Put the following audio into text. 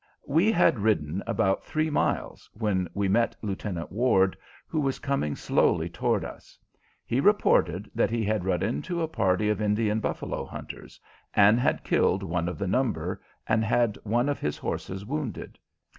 We had ridden about three miles, when we met Lieutenant Ward, who was coming slowly toward us. He reported that he had run into a party of Indian buffalo hunters, and had killed one of the number, and had had one of his horses wounded.